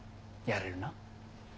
やれるな？